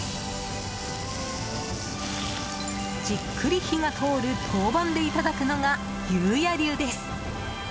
じっくり火が通る陶板でいただくのが、ぎゅうや流です。